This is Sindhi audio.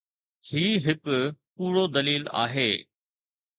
هي هڪ ڪوڙو دليل آهي.